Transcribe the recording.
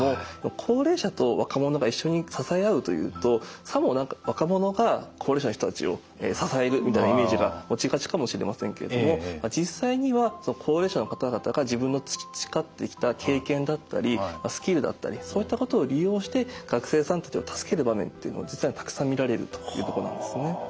高齢者と若者が一緒に支え合うというとさも何か若者が高齢者の人たちを支えるみたいなイメージが持ちがちかもしれませんけれどもまあ実際には高齢者の方々が自分の培ってきた経験だったりスキルだったりそういったことを利用して学生さんたちを助ける場面っていうのを実はたくさん見られるというとこなんですね。